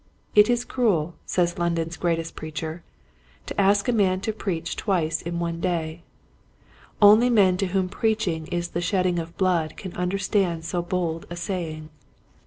It is cruel, says London's greatest preacher, to ask a man to preach twice in one day. Only men to whom preaching is the shedding of blood can understand so bold a saying.